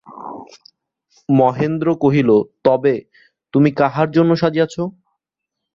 মহেন্দ্র কহিল, তবে তুমি কাহার জন্য সাজিয়াছ।